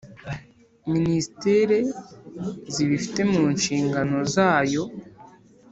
ministere zibifite munshigano zayo